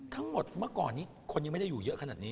ทั้งหมดเมื่อก่อนนี้คนยังไม่ได้อยู่เยอะขนาดนี้